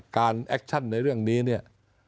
แอคชั่นในเรื่องนี้เนี่ย